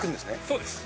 そうです。